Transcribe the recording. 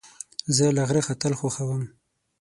زه له غره ختل خوښوم.